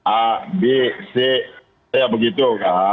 a b c ya begitu